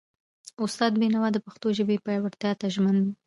استاد بینوا د پښتو ژبې پیاوړتیا ته ژمن و.